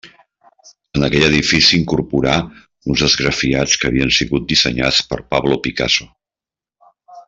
En aquell edifici incorporà uns esgrafiats que havien sigut dissenyats per Pablo Picasso.